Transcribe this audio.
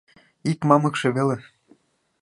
Ик мамыкше веле.